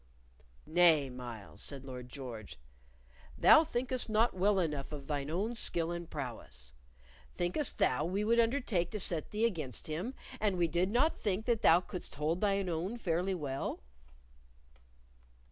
"Nay, Myles," said Lord George, "thou thinkest not well enough of thine own skill and prowess. Thinkest thou we would undertake to set thee against him, an we did not think that thou couldst hold thine own fairly well?"